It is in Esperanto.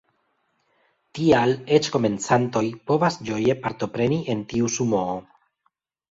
Tial eĉ komencantoj povas ĝoje partopreni en tiu Sumoo.